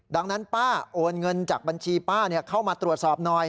ดังนั้นป้าโอนเงินจากบัญชีป้าเข้ามาตรวจสอบหน่อย